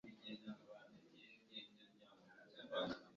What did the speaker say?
yerekeranye no kurinda ibintu